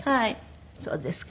そうですか。